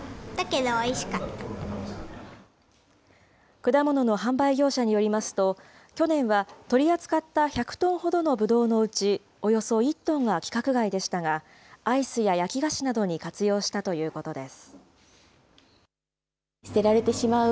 果物の販売業者によりますと、去年は取り扱った１００トンほどのぶどうのうちおよそ１トンが規格外でしたが、アイスや焼き菓子などに活用したということです。